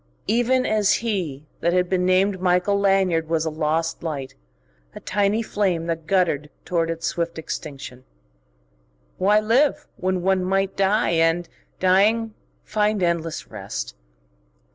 Even as he that had been named Michael Lanyard was a lost light, a tiny flame that guttered toward its swift extinction.... Why live, when one might die and, dying, find endless rest?